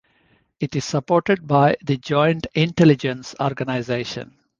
It is supported by the Joint Intelligence Organisation.